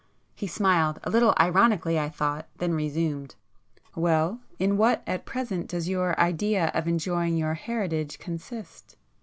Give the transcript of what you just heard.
He smiled, a little ironically I thought, then [p 61] resumed—"Well, in what, at present does your idea of enjoying your heritage consist?"